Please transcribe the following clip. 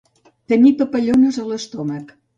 Tenir papallones a l'estómac.